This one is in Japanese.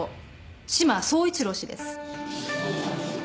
志摩総一郎氏です。